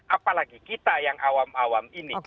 apalagi kita yang awam awam ini